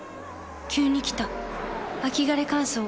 急に来た秋枯れ乾燥。